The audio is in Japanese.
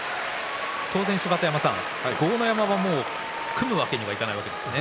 当然、豪ノ山は組むわけにはいかないわけですね。